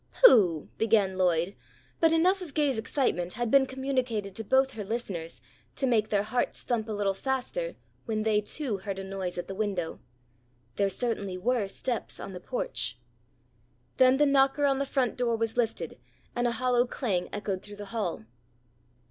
"Pooh!" began Lloyd, but enough of Gay's excitement had been communicated to both her listeners to make their hearts thump a little faster, when they, too, heard a noise at the window. There certainly were steps on the porch. Then the knocker on the front door was lifted and a hollow clang echoed through the hall.